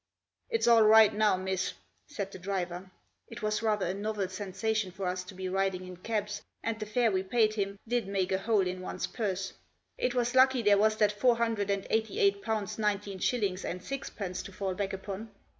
"It's all right now, miss," said the driver. It was rather a novel sensation for us to be riding in cabs, and the fare we paid him did make a hole in one's purse. It was lucky there was that four hundred and eighty eight pounds nineteen shillings and sixpence to fall back upon.